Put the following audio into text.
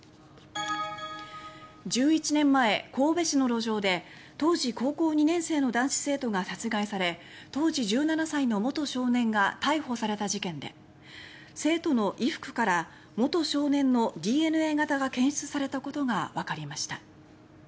１１年前、神戸市の路上で当時、高校２年生の男子生徒が殺害され当時１７歳の元少年が逮捕された事件で生徒の衣服から元少年のＤＮＡ型が検出されたことがわかりました。